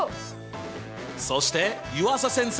そして湯浅先生。